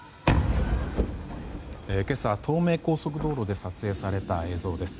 今朝、東名高速道路で撮影された映像です。